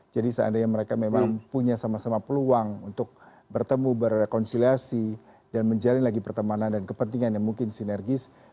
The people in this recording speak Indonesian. jadi seandainya mereka memang punya sama sama peluang untuk bertemu berrekonsiliasi dan menjalin lagi pertemanan dan kepentingan yang mungkin sinergis